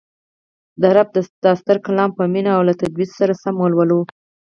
د رب دا ستر کلام په مینه او له تجوید سره سم ولولو